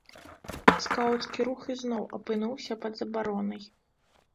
Скаўцкі рух ізноў апынуўся пад забаронай.